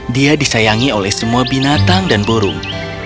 dia disayangi oleh semua binatang dan burung